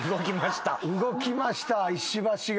動きました石橋が。